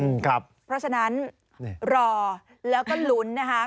เพราะฉะนั้นรอแล้วก็หลุน